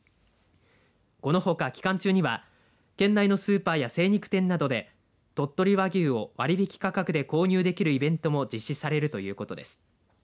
このほか期間中には県内のスーパーや精肉店などで鳥取和牛を割引価格で購入できるイベントも実施されるということです。